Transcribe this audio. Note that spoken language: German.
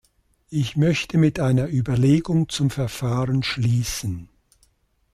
Ich möchte mit einer Überlegung zum Verfahren schließen.